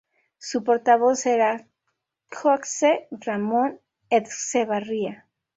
Su portavoz era Joxe Ramón Etxebarria.